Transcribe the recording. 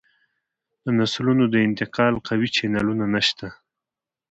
د نسلونو د انتقال قوي چینلونه نشته